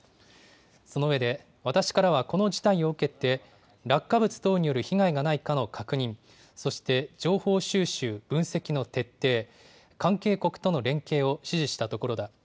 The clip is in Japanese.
そのうえで私からはこの事態を受けて、落下物等による被害がないかの確認、そして情報収集、分析の徹底、関係国との連携を指示したところだ。